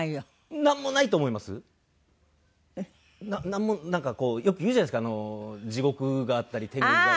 なんもなんかこうよく言うじゃないですか地獄があったり天国が。